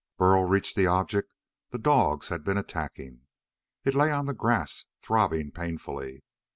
Burl reached the object the dogs had been attacking. It lay on the grass, throbbing painfully.